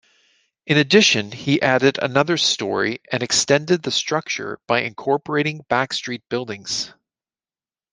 In addition he added another storey and extended the structure by incorporating backstreet buildings.